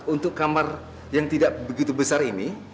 untuk kamar yang tidak begitu besar ini